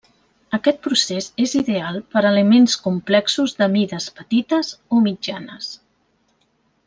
Aquest procés és ideal per elements complexos de mides petites o mitjanes.